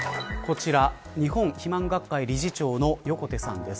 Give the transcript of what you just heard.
日本肥満学会理事長の横手さんです。